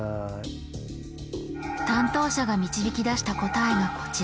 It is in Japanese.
担当者が導き出した答えがこちら。